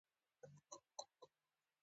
دا د ادبي تحلیل لپاره ژور فکر جوړوي.